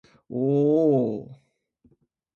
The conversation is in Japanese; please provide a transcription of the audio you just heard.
おおおおお